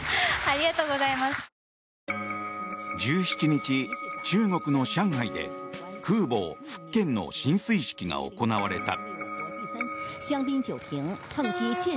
１７日、中国の上海で空母「福健」の進水式が行われた。